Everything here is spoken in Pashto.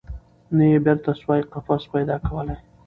نه یې بیرته سوای قفس پیدا کولای